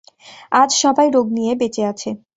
আজ সবাই রোগ নিয়ে বেঁচে আছে।